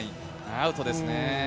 アウトですね。